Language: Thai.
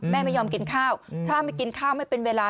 แม่ไม่ยอมกินข้าวถ้าไม่กินข้าวไม่เป็นเวลา